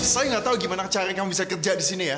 saya gak tau gimana cara kamu bisa kerja di sini ya